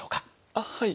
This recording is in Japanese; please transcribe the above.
あっはい。